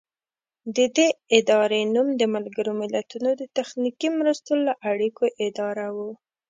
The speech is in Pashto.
د دې ادارې نوم د ملګرو ملتونو د تخنیکي مرستو او اړیکو اداره و.